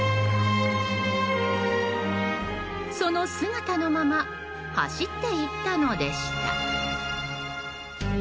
その姿のまま走っていったのでした。